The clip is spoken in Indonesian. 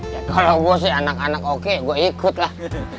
ya kalau gue sih anak anak oke gue ikut lah